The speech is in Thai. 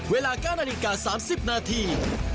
เวลา๙นาฬิกา๓๐นาที